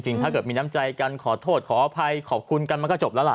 ถ้าเกิดมีน้ำใจกันขอโทษขออภัยขอบคุณกันมันก็จบแล้วล่ะ